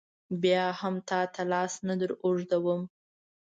بیا هم تا ته لاس نه در اوږدوم.